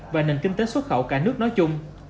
và nền kinh tế xuất khẩu cả nước nói chung